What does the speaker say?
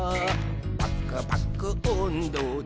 「パクパクおんどで」